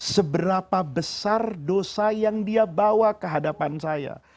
seberapa besar dosa yang dia bawa kehadapan saya